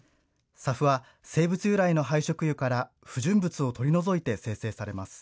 ＳＡＦは生物由来の廃食油から不純物を取り除いて精製されます。